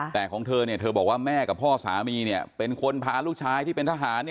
แต่ของเธอเธอบอกว่าแม่กับพ่อสามีเป็นคนพาลูกชายที่เป็นทหาร